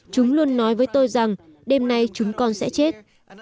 chúng luôn nói với tôi rằng đêm nay chúng con sẽ chết